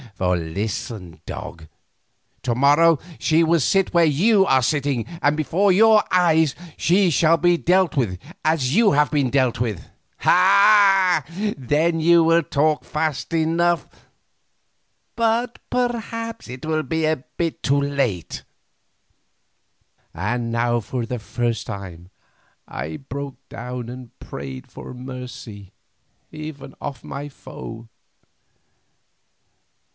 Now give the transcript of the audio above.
For listen, dog, to morrow she will sit where you are sitting, and before your eyes she shall be dealt with as you have been dealt with. Ah! then you will talk fast enough, but perhaps it will be too late." And now for the first time I broke down and prayed for mercy even of my foe.